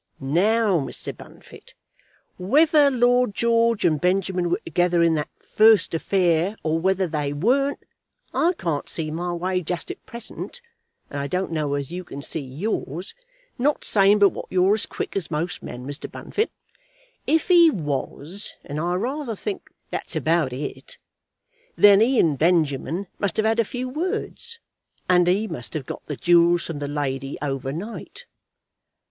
Now, Mr. Bunfit, whether Lord George and Benjamin were together in that first affair, or whether they weren't, I can't see my way just at present, and I don't know as you can see yours; not saying but what you're as quick as most men, Mr. Bunfit. If he was, and I rayther think that's about it, then he and Benjamin must have had a few words, and he must have got the jewels from the lady over night."